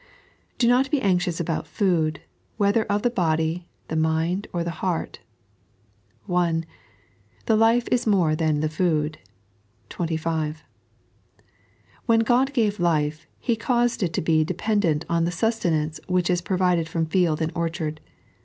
Do not be Anxious about Fooil, whether of the Body, the Mind, or the Heart. (1) " The life is m&re than the food " (25). When God gave life. He caused it to be de pendent on the sustenance which is provided from field and orchard.